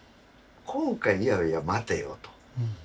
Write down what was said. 今回いやいや待てよと。